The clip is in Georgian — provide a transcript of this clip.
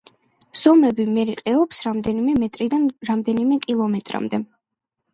ზომები მერყეობს რამდენიმე მეტრიდან რამდენიმე კილომეტრამდე.